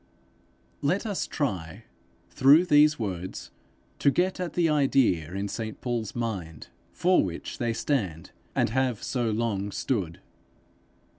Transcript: Let us try, through these words, to get at the idea in St Paul's mind for which they stand, and have so long stood.